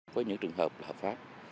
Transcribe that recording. có những trường hợp là hợp pháp